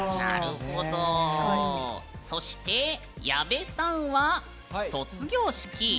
そして矢部さんは卒業式。